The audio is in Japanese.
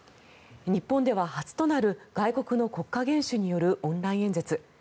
日本では初となる外国の国家元首によるオンライン演説。